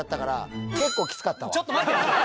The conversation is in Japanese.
ちょっと待て！